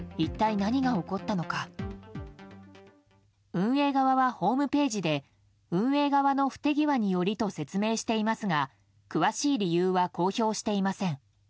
運営側は、ホームページで運営側の不手際によりと説明していますが詳しい理由は公表していません。